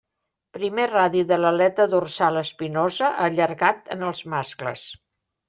Primer radi de l'aleta dorsal espinosa allargat en els mascles.